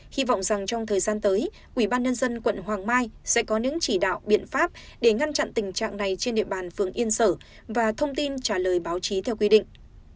hy vọng rằng trong thời gian tới ủy ban nhân dân quận hoàng mai sẽ có những chỉ đạo biện pháp để ngăn chặn tình trạng này trên địa bàn phường yên sở và thông tin trả lời báo chí theo quy định